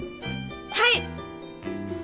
はい。